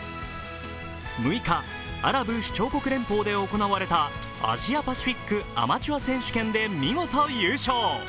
６日、アラブ首長国連邦で行われたアジアパシフィックアマチュア選手権で見事優勝。